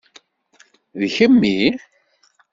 D kemmi?